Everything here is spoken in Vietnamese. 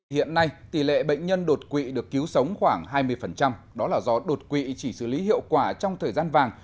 hiện nay tỷ lệ bệnh nhân đột quỵ được cứu sống khoảng hai mươi đó là do đột quỵ chỉ xử lý hiệu quả trong thời gian vàng